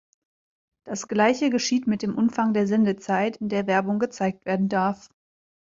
Das Gleiche geschieht mit dem Umfang der Sendezeit, in der Werbung gezeigt werden darf.